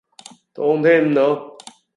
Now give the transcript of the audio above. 當聽唔到